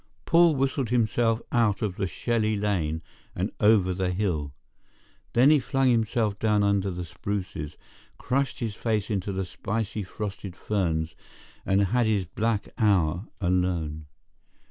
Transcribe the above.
Paul whistled himself out of the Shelley lane and over the hill. Then he flung himself down under the spruces, crushed his face into the spicy frosted ferns, and had his black hour alone.